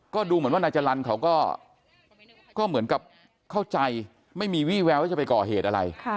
ก็ดูเหมือนว่านายจรรย์เขาก็เหมือนกับเข้าใจไม่มีวี่แววว่าจะไปก่อเหตุอะไร